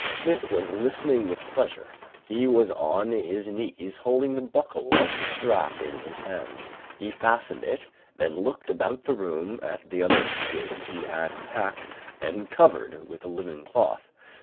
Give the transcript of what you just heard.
Smith was listening with pleasure; he was on his knees holding the buckle of the strap in his hands. He fastened it, then looked about the room at the other goods he had packed and covered with a linen cloth.